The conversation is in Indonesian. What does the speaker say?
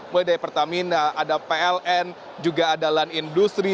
mulai dari pertamina ada pln juga ada land industry